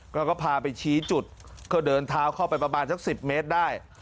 ก็พาไปชี้จุดก็เดินเท้าเข้าไปประมาณสัก๑๐เมตรได้